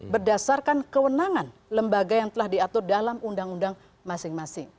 berdasarkan kewenangan lembaga yang telah diatur dalam undang undang masing masing